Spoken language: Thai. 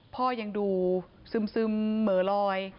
พ่อยังดูซึมเหม่อลอย